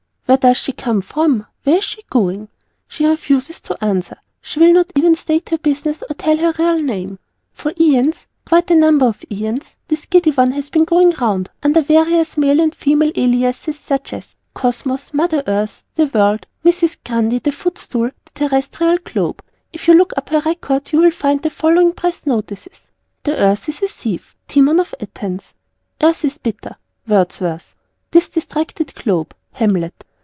Where does she come from? Where is she going? She refuses to answer, she will not even state her business or tell her real name. For æons (quite a number of æons) this Giddy one has been going round under various male and female aliases such as Cosmos, Mother Earth, The World, Mrs. Grundy, the Footstool, the Terrestrial Globe. If you look up her record you will find the following press notices "The Earth's a thief." Timon of Athens. "Earth's bitter." Wordsworth. "This distracted Globe." Hamlet.